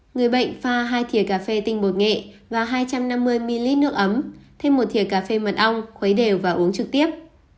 người bệnh pha hai thiều cà phê tinh bột nghệ và hai trăm năm mươi ml nước ấm thêm một thiều cà phê mật ong khuấy đều và uống trực tiếp